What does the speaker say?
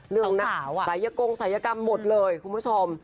ศัยกงศัยกรรมหมดเลยคุณผู้ชม